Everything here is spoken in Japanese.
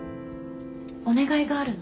お願いがあるの。